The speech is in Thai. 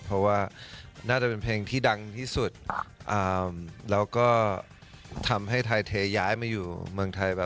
เพราะว่าน่าจะเป็นเพลงที่ดังที่สุดแล้วก็ทำให้ไทยเทย้ายมาอยู่เมืองไทยแบบ